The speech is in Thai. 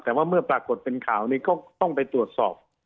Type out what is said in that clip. แต่ว่าเมื่อปรากฏเป็นข่าวนี้ก็ต้องไปตรวจสอบ